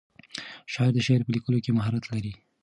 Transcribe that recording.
شاعر د شعر په لیکلو کې مهارت لري.